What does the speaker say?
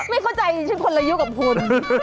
ไม่เข้าใจฉันคนละยุกับคุณ